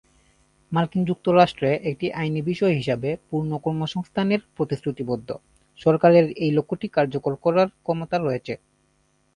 মার্কিন যুক্তরাষ্ট্রে একটি আইনি বিষয় হিসাবে, পূর্ণ কর্মসংস্থানের প্রতিশ্রুতিবদ্ধ; সরকারের এই লক্ষ্যটি কার্যকর করার ক্ষমতা রয়েছে।